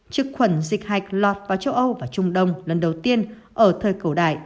trực khuẩn dịch hạch lọt vào châu âu và trung đông lần đầu tiên ở thời cổ đại